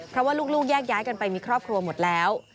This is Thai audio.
เพราะว่าลูกแยกย้ายกันไปมีครอบครัวหมดแล้ว